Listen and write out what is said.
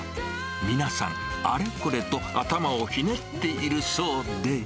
皆さん、あれこれと頭をひねっているそうで。